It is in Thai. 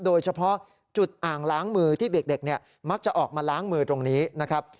โดยเฉพาะจุดอ่างล้างมือที่เด็กเนี่ยมักจะออกมาล้างมือตรงนี้นะครับ